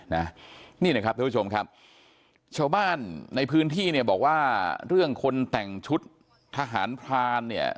นี่นะครับทุกผู้ชมครับชาวบ้านในพื้นที่เนี่ยบอกว่าเรื่องคนแต่งชุดทหารพรานเนี่ย